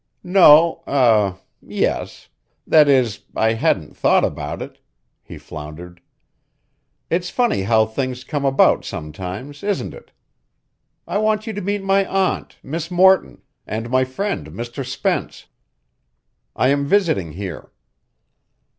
"No eh yes; that is, I hadn't thought about it," he floundered. "It's funny how things come about sometimes, isn't it? I want you to meet my aunt, Miss Morton, and my friend Mr. Spence. I am visiting here."